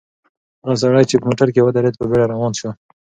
هغه سړی چې په موټر کې و ډېر په بیړه روان شو.